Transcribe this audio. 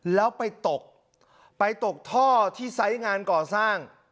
แล้วไปตกไปตกท่อที่ไซส์งานก่อสร้าง